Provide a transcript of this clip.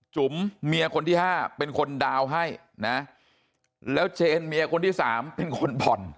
จุ๋มเมียคนที่๕เป็นคนดาวน์ให้นะแล้วเจนเมียคนที่สามเป็นคนผ่อน